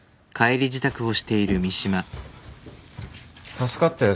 助かったよ